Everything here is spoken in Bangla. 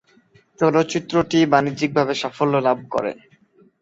চলচ্চিত্রটি বাণিজ্যিকভাবে সাফল্য লাভ করে।